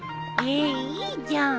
えいいじゃん。